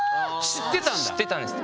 知ってたんです。